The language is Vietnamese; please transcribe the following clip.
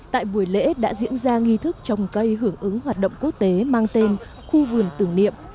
tại buổi lễ đã diễn ra nghi thức trồng cây hưởng ứng hoạt động quốc tế mang tên khu vườn tưởng niệm